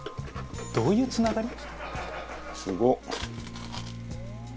「どういうつながり？」